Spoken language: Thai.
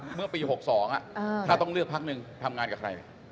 เมื่อปี๖๒ถ้าต้องเลือกพักหนึ่งทำงานกับใคร